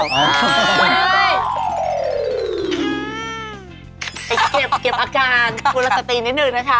เก็บอาการคุณละสตินิดหนึ่งนะคะ